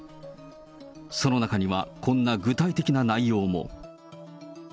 その中には、こんな具体的な内容も。